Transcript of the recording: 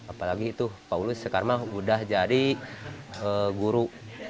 apalagi pak ulus sekarang mah udah jadi guru